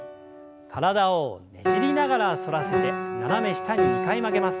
体をねじりながら反らせて斜め下に２回曲げます。